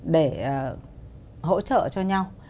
để hỗ trợ cho nhau